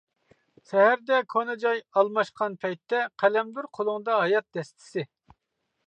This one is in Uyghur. سەھەردە كونا جاي ئالماشقان پەيتتە، قەلەمدۇر قولۇڭدا ھايات دەستىسى.